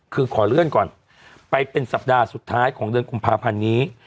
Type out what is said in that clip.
คือขอเลื่อนก่อนไปเป็นสัปดาห์สุดท้ายของเดือนกุมภาพันธ์นี้